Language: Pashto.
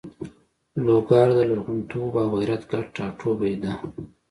لوګر د لرغونتوب او غیرت ګډ ټاټوبی ده.